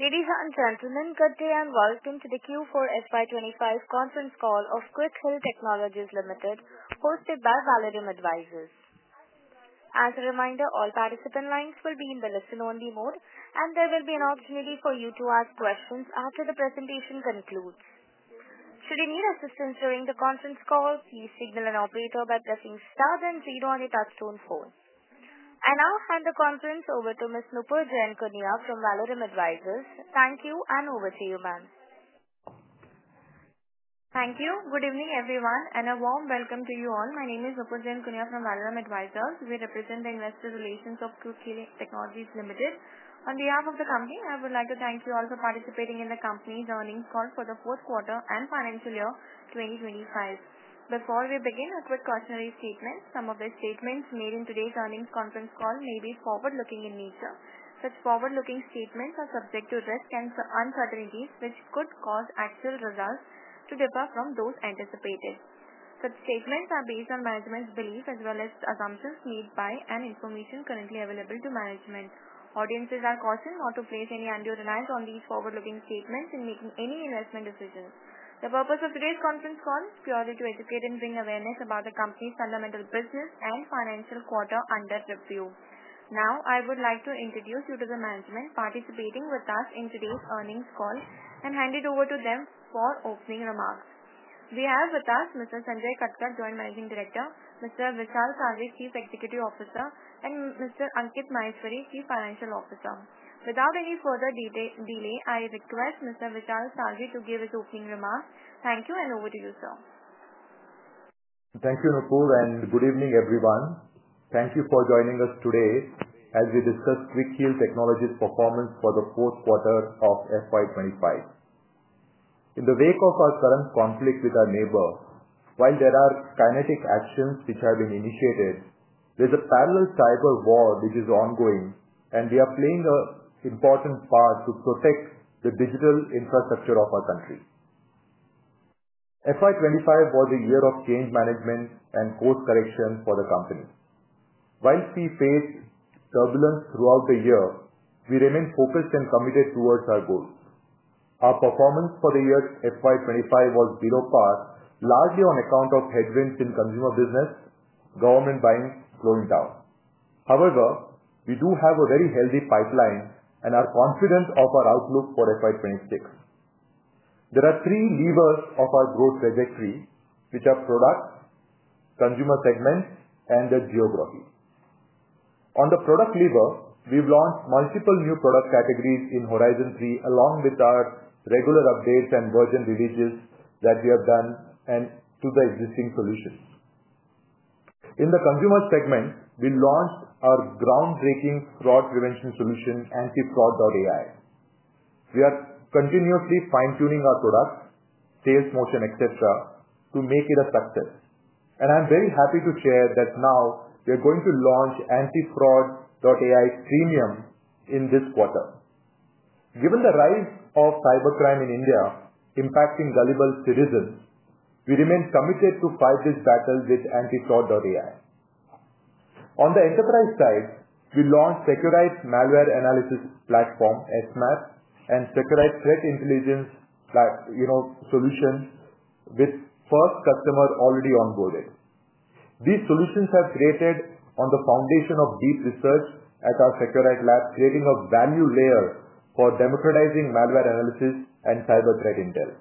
Ladies and gentlemen, good day and welcome to the Q4FY25 conference call of Quick Heal Technologies Limited, hosted by Valorem Advisors. As a reminder, all participant lines will be in the listen-only mode, and there will be an opportunity for you to ask questions after the presentation concludes. Should you need assistance during the conference call, please signal an operator by pressing star then zero on your touchstone phone. I now hand the conference over to Ms. Nupur Jainkunia from Valorem Advisors. Thank you, and over to you, ma'am. Thank you. Good evening, everyone, and a warm welcome to you all. My name is Nupur Jainkunia from Valorem Advisors. We represent the investor relations of Quick Heal Technologies Limited. On behalf of the company, I would like to thank you all for participating in the company's earnings call for the fourth quarter and financial year 2025. Before we begin, a quick cautionary statement: some of the statements made in today's earnings conference call may be forward-looking in nature. Such forward-looking statements are subject to risk and uncertainties, which could cause actual results to differ from those anticipated. Such statements are based on management's belief as well as assumptions made by and information currently available to management. Audiences are cautioned not to place any undue reliance on these forward-looking statements in making any investment decisions. The purpose of today's conference call is purely to educate and bring awareness about the company's fundamental business and financial quarter under review. Now, I would like to introduce you to the management participating with us in today's earnings call and hand it over to them for opening remarks. We have with us Mr. Sanjay Katkar, Joint Managing Director, Mr. Vishal Salvi, Chief Executive Officer, and Mr. Ankit Maheshwari, Chief Financial Officer. Without any further delay, I request Mr. Vishal Salvi to give his opening remarks. Thank you, and over to you, sir. Thank you, Nupur, and good evening, everyone. Thank you for joining us today as we discuss Quick Heal Technologies' performance for the fourth quarter of FY25. In the wake of our current conflict with our neighbor, while there are kinetic actions which have been initiated, there's a parallel cyber war which is ongoing, and we are playing an important part to protect the digital infrastructure of our country. FY25 was a year of change management and course correction for the company. While we faced turbulence throughout the year, we remained focused and committed towards our goals. Our performance for the year FY25 was below par, largely on account of headwinds in consumer business, government buying slowing down. However, we do have a very healthy pipeline and are confident of our outlook for FY26. There are three levers of our growth trajectory, which are product, consumer segment, and the geography. On the product lever, we've launched multiple new product categories in Horizon 3, along with our regular updates and version releases that we have done to the existing solutions. In the consumer segment, we launched our groundbreaking fraud prevention solution, AntiFraud.ai. We are continuously fine-tuning our products, sales motion, etc., to make it a success. I'm very happy to share that now we are going to launch AntiFraud.ai Premium in this quarter. Given the rise of cybercrime in India impacting gullible citizens, we remain committed to fight this battle with AntiFraud.ai. On the enterprise side, we launched Seqrite Malware Analysis Platform, SMAP, and Seqrite Threat Intelligence Solution with first customer already onboarded. These solutions have been created on the foundation of deep research at our Seqrite lab, creating a value layer for democratizing malware analysis and cyber threat intel.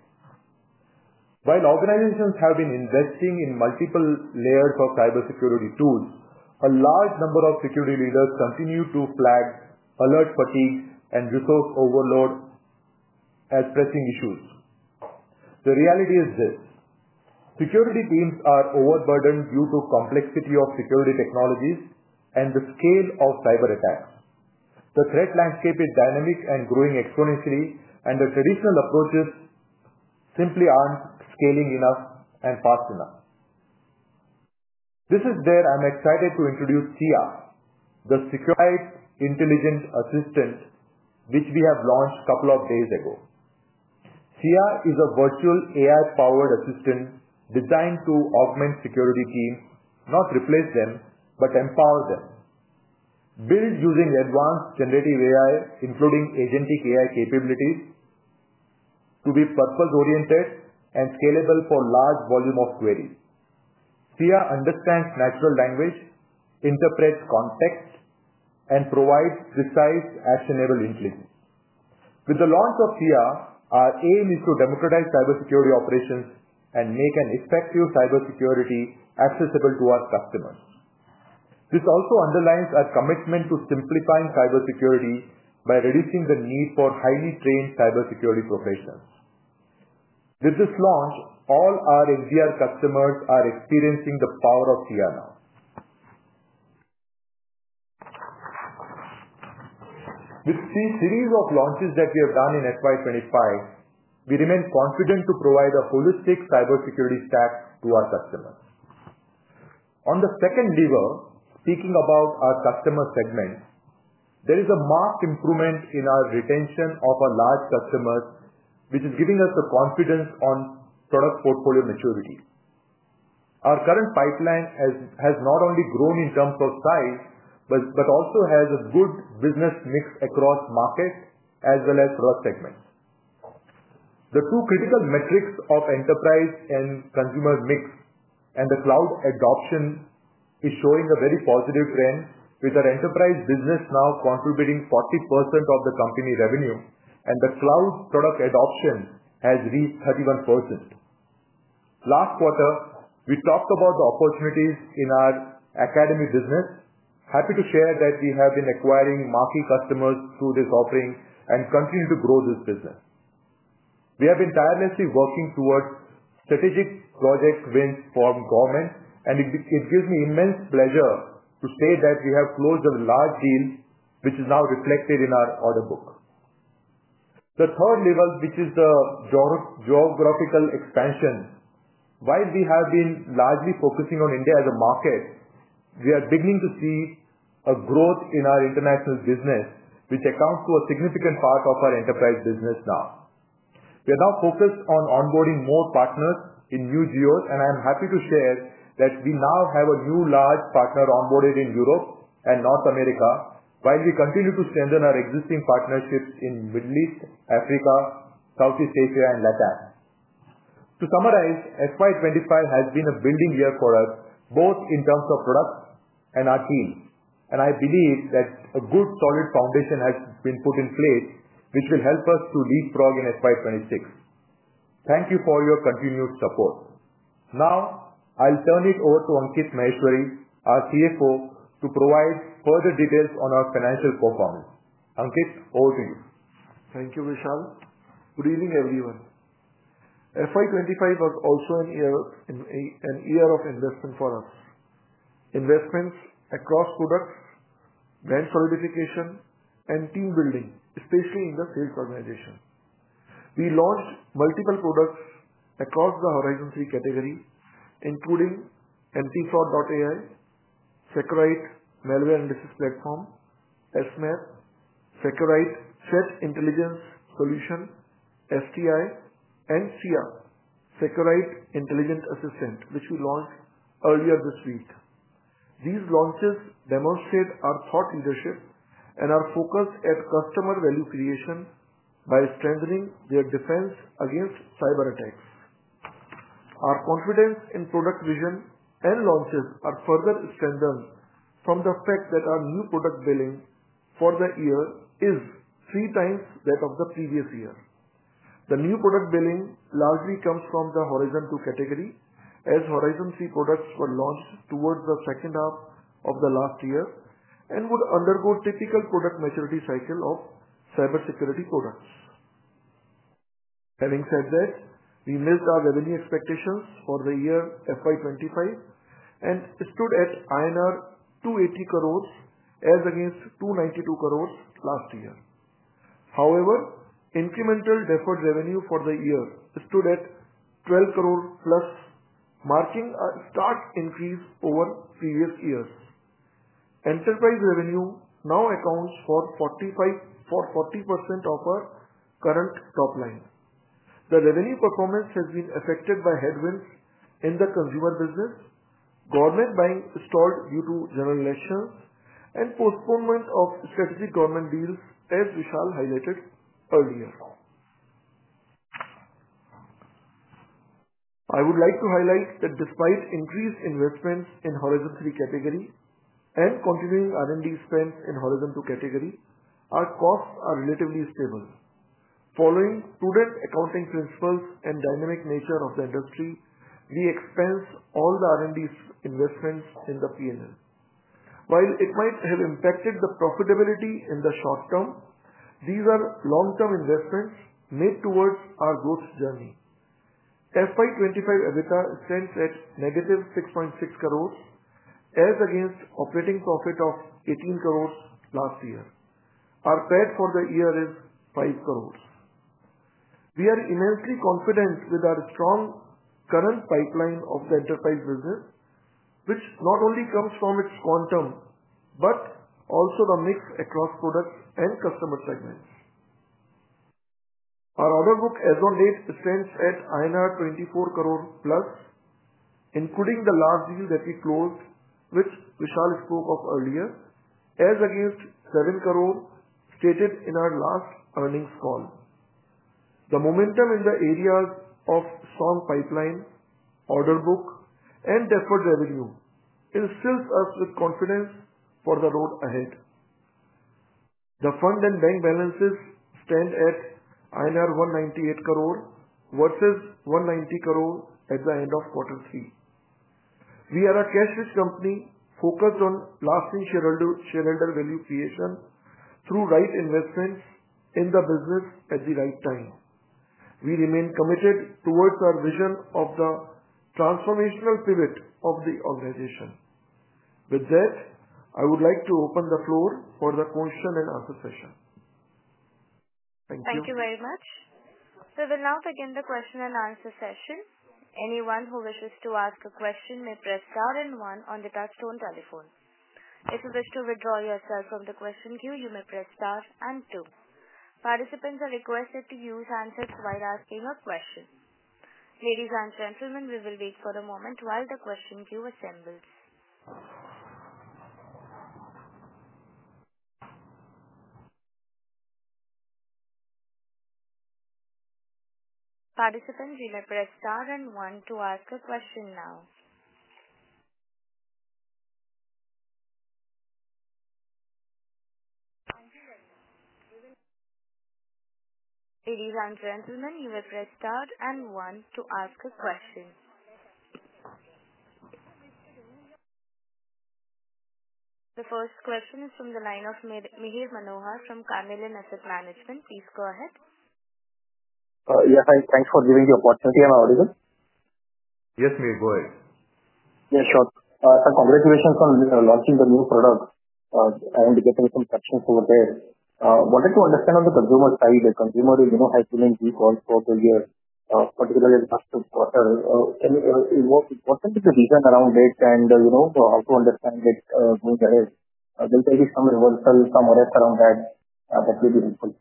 While organizations have been investing in multiple layers of cybersecurity tools, a large number of security leaders continue to flag alert fatigue and resource overload as pressing issues. The reality is this: security teams are overburdened due to the complexity of security technologies and the scale of cyberattacks. The threat landscape is dynamic and growing exponentially, and the traditional approaches simply aren't scaling enough and fast enough. This is where I'm excited to introduce SIA, the Securite Intelligence Assistant, which we have launched a couple of days ago. SIA is a virtual AI-powered assistant designed to augment security teams, not replace them, but empower them. Built using advanced generative AI, including agentic AI capabilities, to be purpose-oriented and scalable for large volume of queries. SIA understands natural language, interprets context, and provides precise, actionable intelligence. With the launch of SIA, our aim is to democratize cybersecurity operations and make effective cybersecurity accessible to our customers. This also underlines our commitment to simplifying cybersecurity by reducing the need for highly trained cybersecurity professionals. With this launch, all our NVR customers are experiencing the power of SIA now. With these series of launches that we have done in FY2025, we remain confident to provide a holistic cybersecurity stack to our customers. On the second lever, speaking about our customer segment, there is a marked improvement in our retention of our large customers, which is giving us confidence on product portfolio maturity. Our current pipeline has not only grown in terms of size but also has a good business mix across markets as well as product segments. The two critical metrics of enterprise and consumer mix and the cloud adoption are showing a very positive trend, with our enterprise business now contributing 40% of the company revenue, and the cloud product adoption has reached 31%. Last quarter, we talked about the opportunities in our academy business. Happy to share that we have been acquiring marquee customers through this offering and continue to grow this business. We have been tirelessly working towards strategic project wins for government, and it gives me immense pleasure to state that we have closed a large deal, which is now reflected in our order book. The third level, which is the geographical expansion. While we have been largely focusing on India as a market, we are beginning to see a growth in our international business, which accounts for a significant part of our enterprise business now. We are now focused on onboarding more partners in new geos, and I'm happy to share that we now have a new large partner onboarded in Europe and North America, while we continue to strengthen our existing partnerships in the Middle East, Africa, Southeast Asia, and Latin America. To summarize, fiscal year 2025 has been a building year for us, both in terms of products and our teams. I believe that a good solid foundation has been put in place, which will help us to leapfrog in fiscal year 2026. Thank you for your continued support. Now, I'll turn it over to Ankit Maheshwari, our CFO, to provide further details on our financial performance. Ankit, over to you. Thank you, Vishal. Good evening, everyone. FY25 was also a year of investment for us. Investments across products, brand solidification, and team building, especially in the sales organization. We launched multiple products across the Horizon 3 category, including AntiFraud.ai, Seqrite Malware Analysis Platform, SMAP, Seqrite Threat Intelligence Solution, STI, and SIA, Seqrite Intelligence Assistant, which we launched earlier this week. These launches demonstrate our thought leadership and our focus at customer value creation by strengthening their defense against cyberattacks. Our confidence in product vision and launches is further strengthened from the fact that our new product billing for the year is three times that of the previous year. The new product billing largely comes from the Horizon 2 category, as Horizon 3 products were launched towards the second half of the last year and would undergo a typical product maturity cycle of cybersecurity products. Having said that, we missed our revenue expectations for the year FY 2025 and stood at INR 280 crore as against 292 crore last year. However, incremental deferred revenue for the year stood at 12 crore plus, marking a stark increase over previous years. Enterprise revenue now accounts for 40% of our current top line. The revenue performance has been affected by headwinds in the consumer business, government buying stalled due to generalizations, and postponement of strategic government deals, as Vishal highlighted earlier. I would like to highlight that despite increased investments in Horizon 3 category and continuing R&D spends in Horizon 2 category, our costs are relatively stable. Following prudent accounting principles and the dynamic nature of the industry, we expense all the R&D investments in the P&L. While it might have impacted the profitability in the short term, these are long-term investments made towards our growth journey. FY25 EBITDA stands at negative 6.6 crores as against operating profit of 18 crores last year. Our P&L for the year is 5 crores. We are immensely confident with our strong current pipeline of the enterprise business, which not only comes from its quantum but also the mix across products and customer segments. Our order book, as of date, stands at 24 crores plus, including the last deal that we closed, which Vishal spoke of earlier, as against 7 crores stated in our last earnings call. The momentum in the areas of strong pipeline, order book, and deferred revenue instills us with confidence for the road ahead. The fund and bank balances stand at INR 198 crores versus 190 crores at the end of quarter three. We are a cash-rich company focused on lasting shareholder value creation through right investments in the business at the right time. We remain committed towards our vision of the transformational pivot of the organization. With that, I would like to open the floor for the question and answer session. Thank you. Thank you very much. We will now begin the question and answer session. Anyone who wishes to ask a question may press star and one on the touchstone telephone. If you wish to withdraw yourself from the question queue, you may press star and two. Participants are requested to use handsets while asking a question. Ladies and gentlemen, we will wait for a moment while the question queue assembles. Participants, you may press star and one to ask a question now. Ladies and gentlemen, you may press star and one to ask a question. The first question is from the line of Mihir Manohar from Carnelian Asset Management. Please go ahead. Yeah, thanks for giving the opportunity. Am I audible? Yes, Mihir, go ahead. Yes, sure. Sir, congratulations on launching the new product and getting some actions over there. I wanted to understand on the consumer side, the consumer is high-feeling weak also this year, particularly the first quarter. What is the reason around it, and how to understand it going ahead? Will there be some reversal, some arrest around that that will be helpful?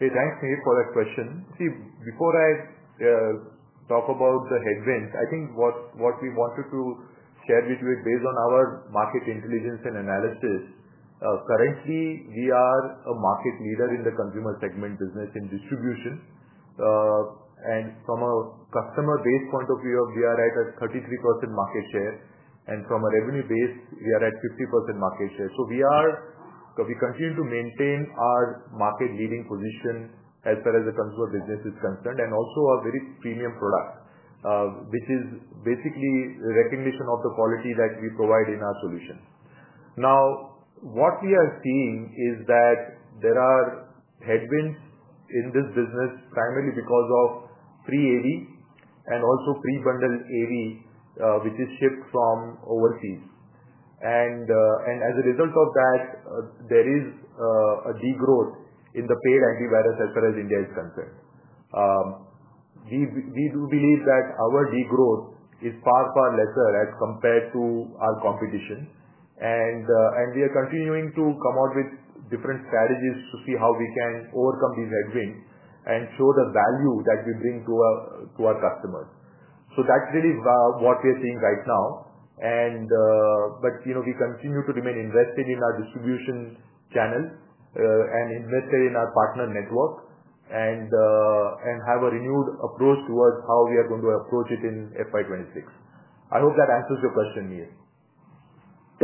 Hey, thanks, Mihir, for that question. See, before I talk about the headwinds, I think what we wanted to share with you, based on our market intelligence and analysis, currently, we are a market leader in the consumer segment business in distribution. From a customer-based point of view, we are at a 33% market share. From a revenue-based, we are at a 50% market share. We continue to maintain our market-leading position as far as the consumer business is concerned and also our very premium product, which is basically recognition of the quality that we provide in our solution. Now, what we are seeing is that there are headwinds in this business primarily because of pre-AV and also pre-bundle AV, which is shipped from overseas. As a result of that, there is a degrowth in the paid antivirus as far as India is concerned. We do believe that our degrowth is far, far lesser as compared to our competition. We are continuing to come out with different strategies to see how we can overcome these headwinds and show the value that we bring to our customers. That is really what we are seeing right now. We continue to remain invested in our distribution channel and invested in our partner network and have a renewed approach towards how we are going to approach it in FY 2026. I hope that answers your question, Mihir.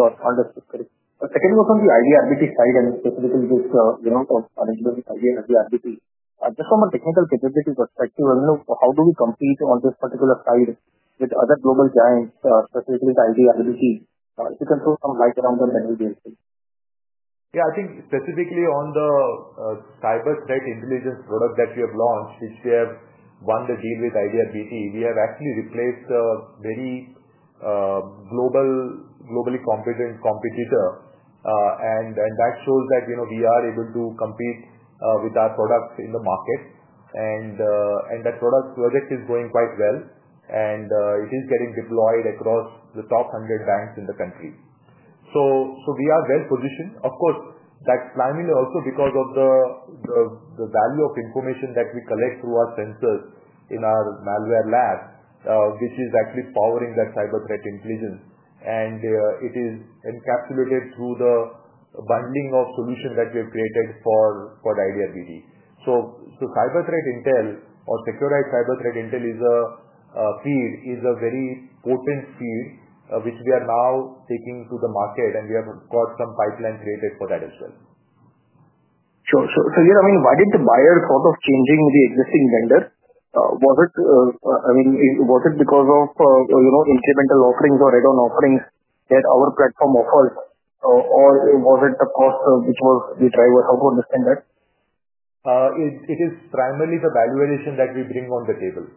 Sure, understood. Second, on the IDRBT side and specifically this remote arrangement with IDRBT, just from a technical capability perspective, how do we compete on this particular side with other global giants, specifically the IDRBT? If you can throw some light around the manual game. Yeah, I think specifically on the cyber threat intelligence product that we have launched, which we have won the deal with IDRBT, we have actually replaced a very globally competent competitor. That shows that we are able to compete with our product in the market. That project is going quite well, and it is getting deployed across the top 100 banks in the country. We are well-positioned. Of course, that's primarily also because of the value of information that we collect through our sensors in our malware lab, which is actually powering that cyber threat intelligence. It is encapsulated through the bundling of solutions that we have created for IDRBT. Cyber Threat Intel or Seqrite Cyber Threat Intel feed is a very potent feed, which we are now taking to the market, and we have got some pipeline created for that as well. Sure. Here, I mean, why did the buyer think of changing the existing vendor? Was it because of incremental offerings or add-on offerings that our platform offers, or was it the cost which was the driver? How to understand that? It is primarily the valuation that we bring on the table.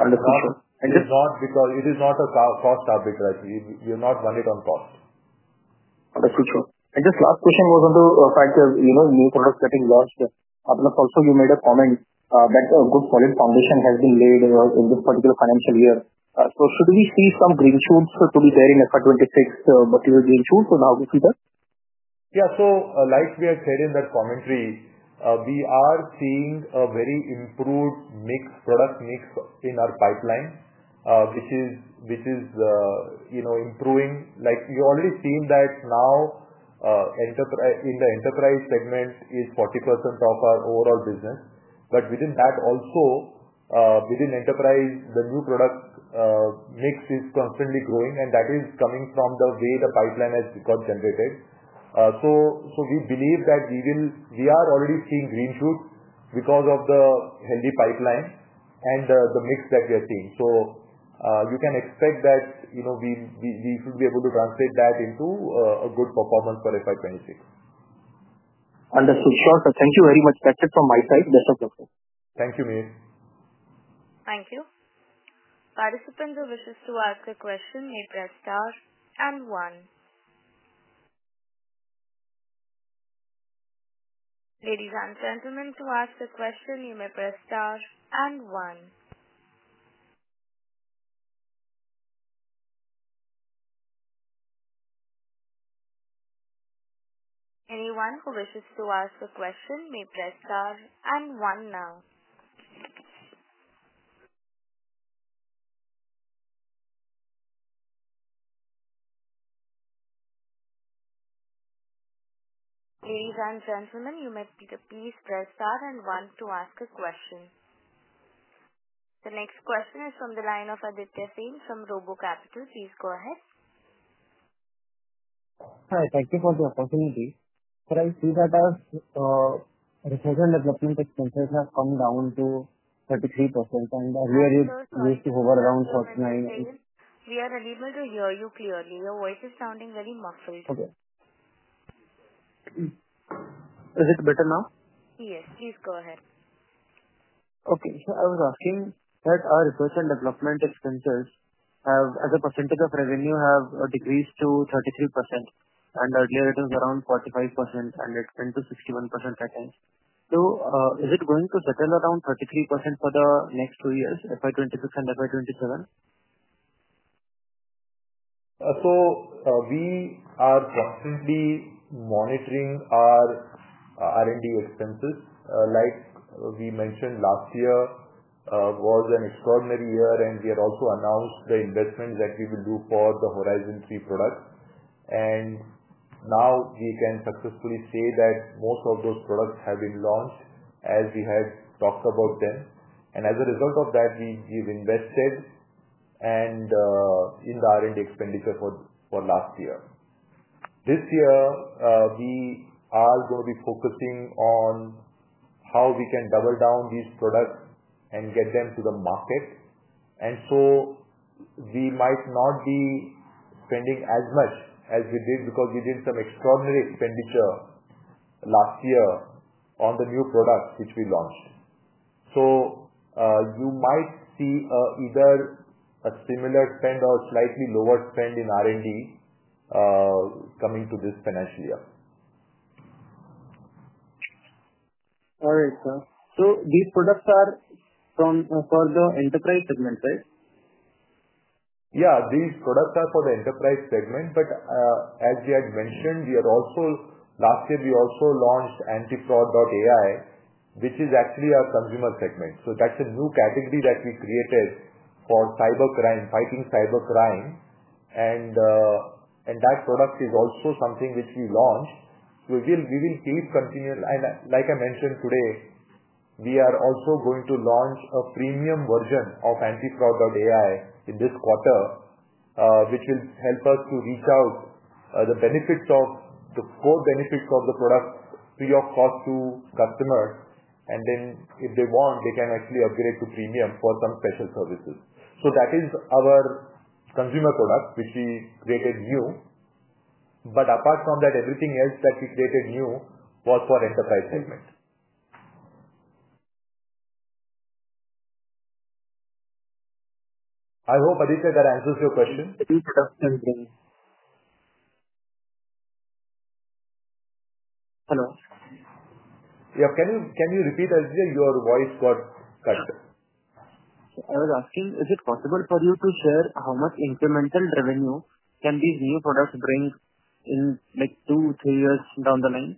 Understood. Sure. It is not a cost arbitrary. We have not done it on cost. Understood. Sure. Just last question was on the fact that new products getting launched. Also, you made a comment that a good solid foundation has been laid in this particular financial year. Should we see some green shoots to be there in FY 2026, material green shoots, or how to see that? Yeah. Like we had said in that commentary, we are seeing a very improved product mix in our pipeline, which is improving. You're already seeing that now in the enterprise segment is 40% of our overall business. Within that, also within enterprise, the new product mix is constantly growing, and that is coming from the way the pipeline has got generated. We believe that we are already seeing green shoots because of the healthy pipeline and the mix that we are seeing. You can expect that we should be able to translate that into a good performance for FY2026. Understood. Sure. Thank you very much. That's it from my side. Best of luck. Thank you, Mihir. Thank you. Participants who wish to ask a question may press star and one. Ladies and gentlemen, to ask a question, you may press star and one. Anyone who wishes to ask a question may press star and one now. Ladies and gentlemen, you may please press star and one to ask a question. The next question is from the line of Aditya Singh from RoboCapital. Please go ahead. Hi. Thank you for the opportunity. I see that our research and development expenses have come down to 33%, and earlier it used to hover around 49%. We are unable to hear you clearly. Your voice is sounding very muffled. Okay. Is it better now? Yes. Please go ahead. Okay. So I was asking that our research and development expenses, as a percentage of revenue, have decreased to 33%, and earlier it was around 45%, and it went to 61% at times. Is it going to settle around 33% for the next two years, FY 2026 and FY 2027? We are constantly monitoring our R&D expenses. Like we mentioned, last year was an extraordinary year, and we had also announced the investments that we will do for the Horizon 3 product. We can successfully say that most of those products have been launched as we had talked about them. As a result of that, we've invested in the R&D expenditure for last year. This year, we are going to be focusing on how we can double down these products and get them to the market. We might not be spending as much as we did because we did some extraordinary expenditure last year on the new products which we launched. You might see either a similar spend or slightly lower spend in R&D coming to this financial year. All right. So these products are for the enterprise segment, right? Yeah. These products are for the enterprise segment. As we had mentioned last year, we also launched AntiFraud.ai, which is actually our consumer segment. That is a new category that we created for cybercrime, fighting cybercrime. That product is also something which we launched. We will keep continuing. Like I mentioned today, we are also going to launch a premium version of AntiFraud.ai in this quarter, which will help us to reach out the benefits of the core benefits of the product free of cost to customers. If they want, they can actually upgrade to premium for some special services. That is our consumer product which we created new. Apart from that, everything else that we created new was for enterprise segment. I hope, Aditya, that answers your question. Hello. Yeah. Can you repeat that, Aditya? Your voice got cut. I was asking, is it possible for you to share how much incremental revenue can these new products bring in two, three years down the line?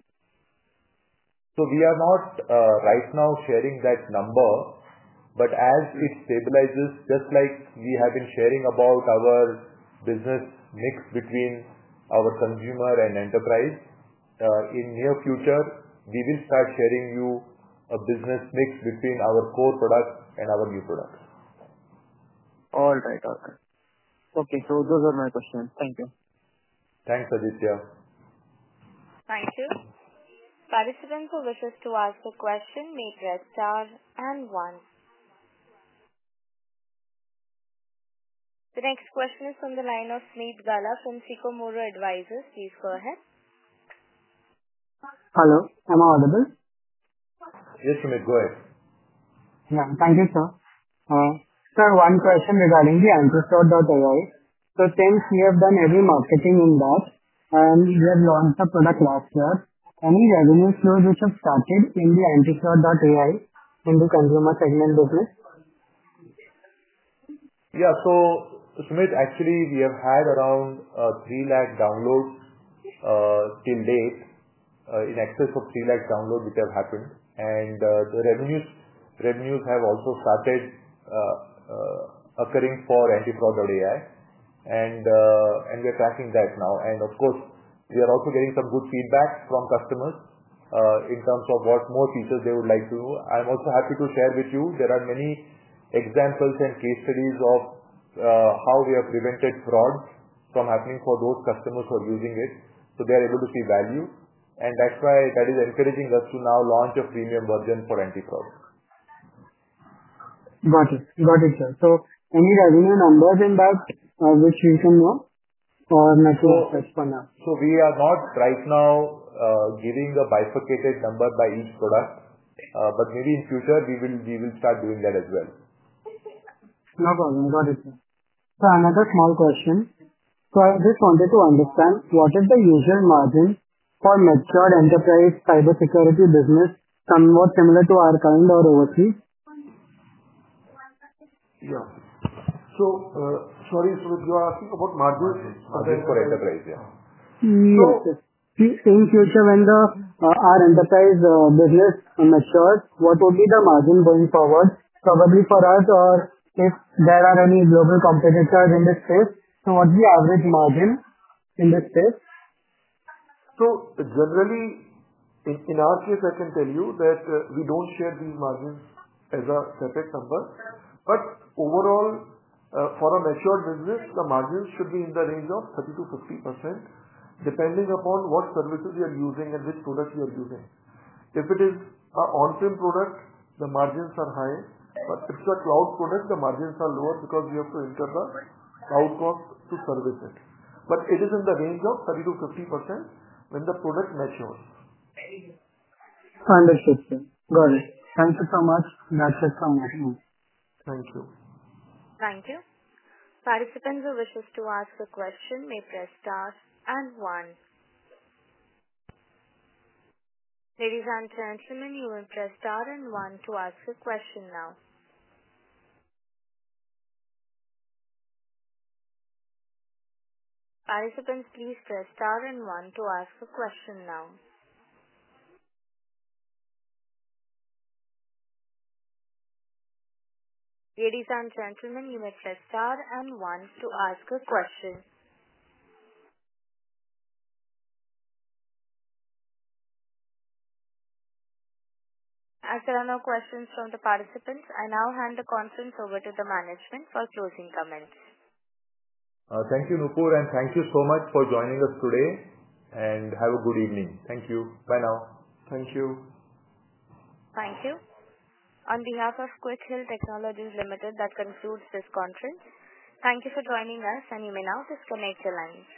We are not right now sharing that number. As it stabilizes, just like we have been sharing about our business mix between our consumer and enterprise, in the near future, we will start sharing you a business mix between our core products and our new products. All right. Okay. Okay. So those are my questions. Thank you. Thanks, Aditya. Thank you. Participants who wish to ask a question may press star and one. The next question is from the line of Smeet Ghalas from Sicomoro Advisors. Please go ahead. Hello. Am I audible? Yes, Smeer. Go ahead. Yeah. Thank you, sir. Sir, one question regarding the AntiFraud.ai. Since we have done heavy marketing in that, and we have launched a product last year, any revenue flows which have started in the AntiFraud.ai into consumer segment business? Yeah. Smeet, actually, we have had around 300,000 downloads till date, in excess of 300,000 downloads which have happened. The revenues have also started occurring for AntiFraud.ai. We are tracking that now. Of course, we are also getting some good feedback from customers in terms of what more features they would like to know. I'm also happy to share with you there are many examples and case studies of how we have prevented fraud from happening for those customers who are using it. They are able to see value. That is encouraging us to now launch a premium version for AntiFraud.ai. Got it. Got it, sir. So any revenue numbers in that which you can know or not to touch for now? We are not right now giving a bifurcated number by each product. But maybe in future, we will start doing that as well. No problem. Got it, sir. Another small question. I just wanted to understand what is the usual margin for mature enterprise cybersecurity business somewhat similar to our current or overseas? Yeah. Sorry, Smeet, you are asking about margin? Yes, for enterprise, yeah. Got it. In future, when our enterprise business matures, what would be the margin going forward? Probably for us, if there are any global competitors in this space, what's the average margin in this space? Generally, in our case, I can tell you that we don't share these margins as a separate number. Overall, for a mature business, the margins should be in the range of 30-50%, depending upon what services we are using and which products we are using. If it is an on-prem product, the margins are high. If it's a cloud product, the margins are lower because we have to incur the cloud cost to service it. It is in the range of 30-50% when the product matures. Understood, sir. Got it. Thank you so much. That's it from my side. Thank you. Thank you. Participants who wish to ask a question may press star and one. Ladies and gentlemen, you may press star and one to ask a question now. Participants, please press star and one to ask a question now. Ladies and gentlemen, you may press star and one to ask a question. As there are no questions from the participants, I now hand the conference over to the management for closing comments. Thank you, Nupur, and thank you so much for joining us today. Have a good evening. Thank you. Bye now. Thank you. Thank you. On behalf of Quick Heal Technologies Limited, that concludes this conference. Thank you for joining us, and you may now disconnect your lines.